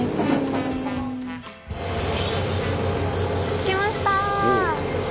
着きました！